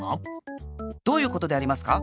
どういうことでありますか？